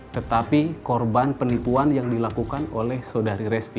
tetapi korban penipuan yang dilakukan oleh saudari resti